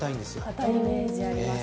堅いイメージあります。